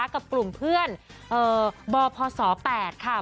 กับกลุ่มเพื่อนบพศ๘ค่ะ